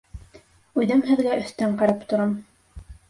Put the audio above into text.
Үҙем һеҙгә өҫтән ҡарап торам.